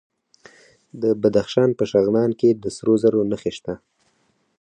د بدخشان په شغنان کې د سرو زرو نښې شته.